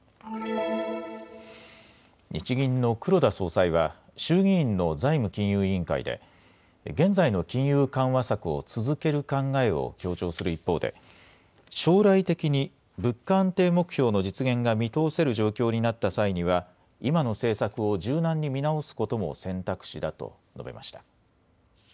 日銀の黒田総裁は衆議院の財務金融委員会で現在の金融緩和策を続ける考えを強調する一方で将来的に物価安定目標の実現が見通せる状況になった際には今の政策を柔軟に見直すことも選択肢だと述べました。